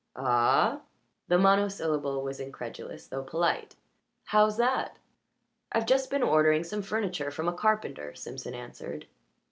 "Ah?" The monosyllable was incredulous though polite. "How's that?" "I've just been ordering some furniture from a carpenter," Simpson answered.